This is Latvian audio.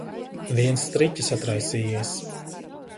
Viens striķis atraisījies.